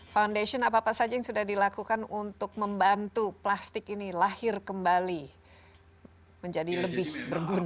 foundation apa apa saja yang sudah dilakukan untuk membantu plastik ini lahir kembali menjadi lebih berguna